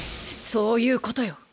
そういうことよ。